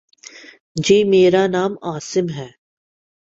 جی، میرا نام عاصم ہے